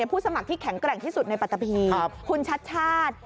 ผู้สมัครที่แข็งแกร่งที่สุดในปัตตะพีคุณชัดชาติ